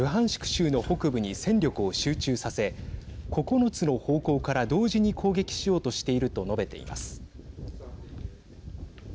州の北部に戦力を集中させ９つの方向から同時に攻撃しようとしていると述べています。